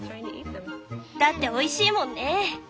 だっておいしいもんね。